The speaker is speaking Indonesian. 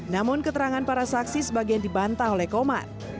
namun keterangan para saksi sebagian dibantah oleh komar